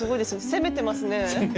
攻めてますね。